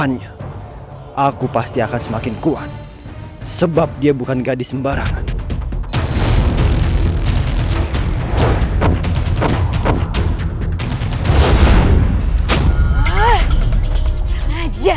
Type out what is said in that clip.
kau katimu akan mengalahpanku